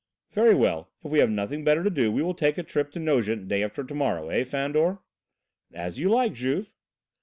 "Very well, if we have nothing better to do we will take a trip to Nogent day after to morrow; eh, Fandor?" "As you like, Juve."